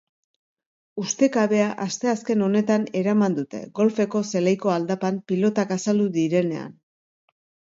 Ustekabea asteazken honetan eraman dute, golfeko zelaiko aldapan pilotak azaldu direnean.